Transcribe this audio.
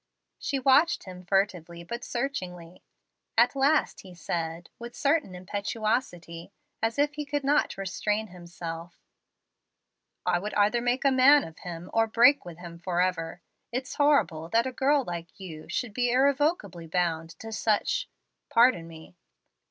She watched him furtively but searchingly. At last he said, with sudden impetuosity, as if he could not restrain himself: "I would either make a man of him or break with him forever. It's horrible that a girl like you should be irrevocably bound to such pardon me."